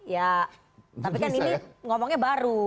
ya tapi kan ini ngomongnya baru